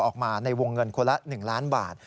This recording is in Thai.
ออกมาในวงเงินคนละ๑ล้านบาท